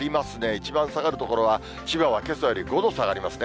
一番下がる所は、千葉はけさより５度下がりますね。